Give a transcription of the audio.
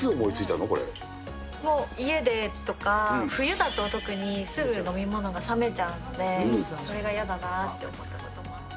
もう家でとか、冬だと特にすぐ飲み物が冷めちゃうので、それが嫌だなと思ったこともあって。